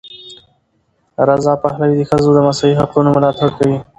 رضا پهلوي د ښځو د مساوي حقونو ملاتړ کوي.